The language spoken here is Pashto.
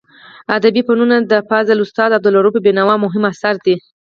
ادبي فنون د فاضل استاد عبدالروف بینوا مهم اثر دی.